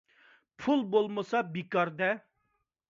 پۇل بولمىسا بىكار - دە!